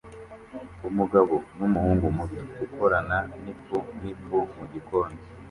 Umugabo numuhungu muto ukorana nifu nifu mugikoni